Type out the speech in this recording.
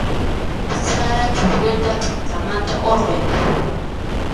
Sara chuqlluta pʼanqanmanta hurquy.